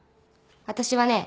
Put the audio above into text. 私はね